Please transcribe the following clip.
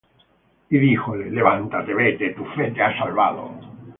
Y díjole: Levántate, vete; tu fe te ha salvado.